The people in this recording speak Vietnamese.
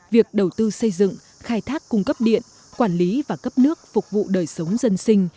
việc đầu tư xây dựng khai thác cung cấp điện quản lý và cấp nước phục vụ đời sống dân sinh